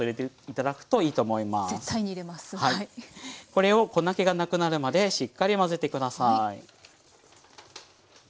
これを粉けがなくなるまでしっかり混ぜてください。